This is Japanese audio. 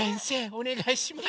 おねがいします。